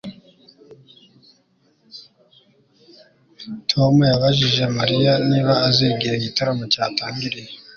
Tom yabajije Mariya niba azi igihe igitaramo cyatangiriye